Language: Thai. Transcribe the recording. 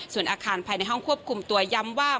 ส่วนอาคารภายในห้องควบคุมตัวย้ำว่า